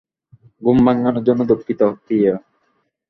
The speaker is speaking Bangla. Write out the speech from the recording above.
ঘুম ভাঙানোর জন্য দুঃখিত, প্রিয়ে।